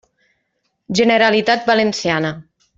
Generalitat valenciana.